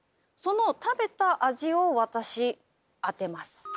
その食べた味を私当てます。